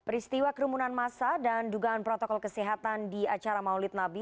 peristiwa kerumunan masa dan dugaan protokol kesehatan di acara maulid nabi